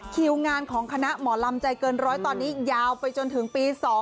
คิวงานของคณะหมอลำใจเกินร้อยตอนนี้ยาวไปจนถึงปี๒๕๖